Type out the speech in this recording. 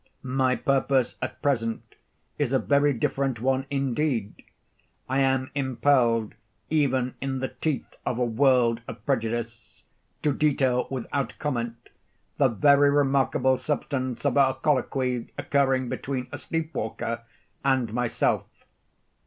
My purpose at present is a very different one indeed. I am impelled, even in the teeth of a world of prejudice, to detail without comment the very remarkable substance of a colloquy, occurring between a sleep waker and myself.